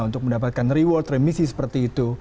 untuk mendapatkan reward remisi seperti itu